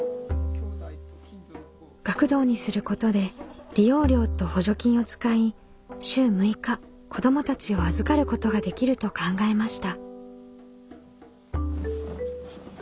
学童にすることで利用料と補助金を使い週６日子どもたちを預かることができると考えました。